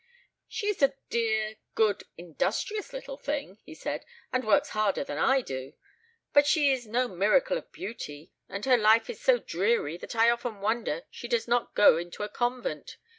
"She is a dear, good, industrious little thing," he said, "and works harder than I do. But she is no miracle of beauty; and her life is so dreary that I often wonder she does not go into a convent.